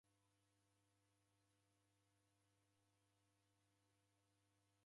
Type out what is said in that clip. Vindo veka va modo.